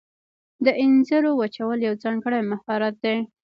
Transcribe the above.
د انځرو وچول یو ځانګړی مهارت دی.